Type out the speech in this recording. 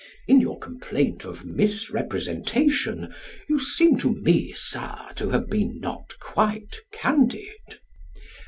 In your complaint of misrepresentation you seem to me, Sir, to have been not quite candid.